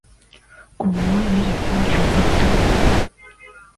鼓膜与眼睛的直径相若。